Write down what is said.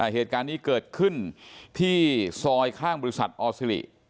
เหตุการณ์นี้เกิดขึ้นที่ซอยข้างบริษัทออซิริ